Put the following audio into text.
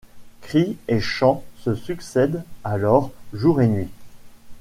Cris et chants se succèdent alors jour et nuit.